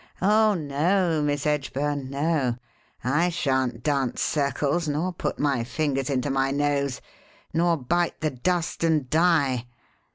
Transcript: Oh, no, Miss Edgburn; no, I shan't dance circles nor put my fingers into my nose, nor bite the dust and die.